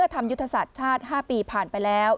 ธรรมยุทธศาสตร์ชาติ๕ปีผ่านไปแล้ว